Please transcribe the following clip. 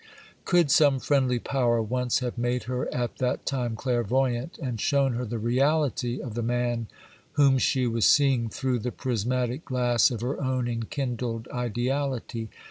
Could some friendly power once have made her at that time clairvoyant and shown her the reality of the man whom she was seeing through the prismatic glass of her own enkindled ideality!